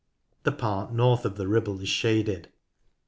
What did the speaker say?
The part north of the Ribble is shaded.